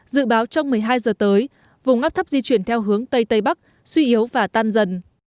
dự báo trong một mươi hai giờ tới vùng áp thấp di chuyển theo hướng tây tây bắc suy yếu và tan dần